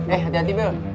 eh hati hati bel